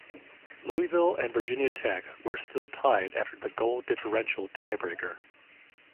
Louisville and Virginia Tech were still tied after the goal differential tiebreaker.